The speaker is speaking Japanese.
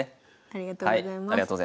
ありがとうございます。